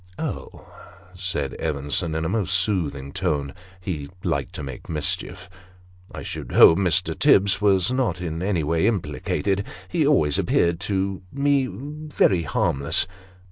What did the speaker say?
"Oh," said Evenson, in a most soothing tone he liked to make mischief " I should hope Mr. Tibbs was not in any way implicated. He always appeared to me very harmless."